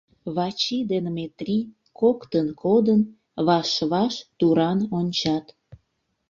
Вачи ден Метри, коктын кодын, ваш-ваш туран ончат.